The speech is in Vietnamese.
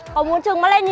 học sinh mà hư thế hả